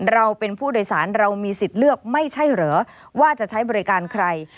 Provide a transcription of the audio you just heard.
เราเป็นผู้โดยสารเรามีสิทธิ์เลือกไม่ใช่เหรอว่าจะใช้บริการใคร